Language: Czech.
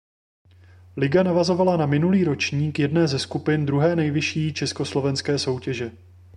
Liga navazovala na minulý ročník jedné ze skupin druhé nejvyšší československé soutěže.